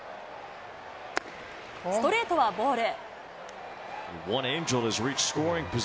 ストレートはボール。